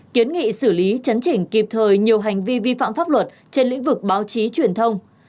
kiến nghị xử lý chấn chỉnh kịp thời nhiều hành vi vi phạm pháp luật trên lĩnh vực báo chí truyền thông